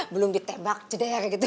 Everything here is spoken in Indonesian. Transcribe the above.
belum di tembak ceder gitu